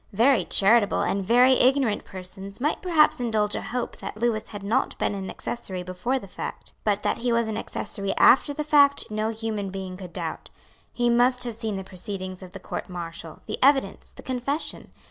Very charitable and very ignorant persons might perhaps indulge a hope that Lewis had not been an accessory before the fact. But that he was an accessory after the fact no human being could doubt. He must have seen the proceedings of the Court Martial, the evidence, the confession.